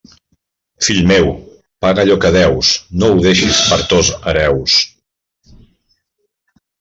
Fill meu, paga allò que deus, no ho deixes per tos hereus.